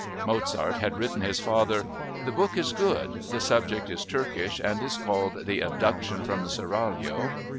Mozart had written his father: "The book is good; the subject is Turkish and is called 'The Abduction from the Seraglio.